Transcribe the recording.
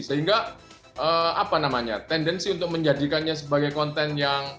sehingga apa namanya tendensi untuk menjadikannya sebagai konten yang